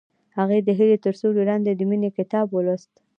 هغې د هیلې تر سیوري لاندې د مینې کتاب ولوست.